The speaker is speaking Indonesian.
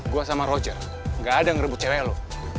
gue sama roger nggak ada yang ngerebut cewek lo